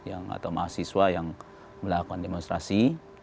atau mahasiswa yang melakukan demonstrasi